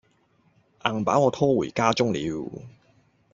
硬把我拖回家中了。